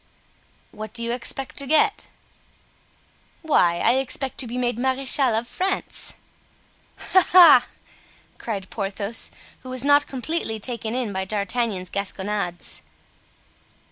"What do you expect to get?" "Why, I expect to be made Marechal of France!" "Ha! ha!" cried Porthos, who was not completely taken in by D'Artagnan's Gasconades.